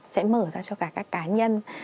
sẽ mở ra cho cả các cá nhân